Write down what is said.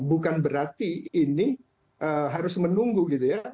bukan berarti ini harus menunggu gitu ya